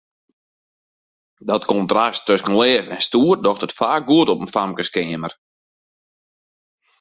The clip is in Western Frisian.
Dat kontrast tusken leaf en stoer docht it faak goed op in famkeskeamer.